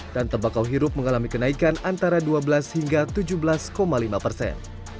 dan tembakau hirup mengalami kenaikan antara dua belas hingga tujuh belas lima persen